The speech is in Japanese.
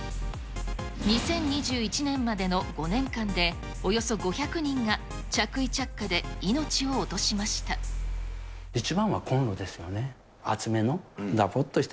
２０２１年までの５年間で、およそ５００人が着衣着火で命を落としました。